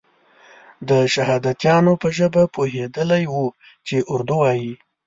د شهادیانو په ژبه پوهېدلی وو چې اردو وایي.